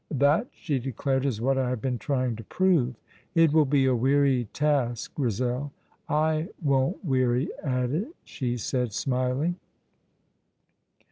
"That," she declared, "is what I have been trying to prove." "It will be a weary task, Grizel." "I won't weary at it," she said, smiling.